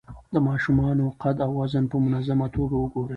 د ماشومانو قد او وزن په منظمه توګه وګورئ.